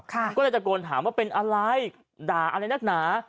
ก็เลยตะโกนถามว่าเป็นอะไรด่าอะไรนักหนา